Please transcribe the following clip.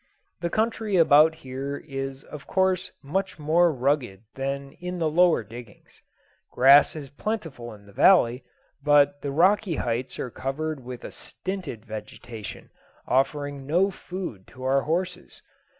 The country about here is of course much more rugged than in the lower diggings. Grass is plentiful in the valley, but the rocky heights are covered with a stinted vegetation, offering no food to our horses.